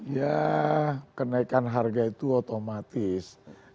ya kenaikan harga itu otomatis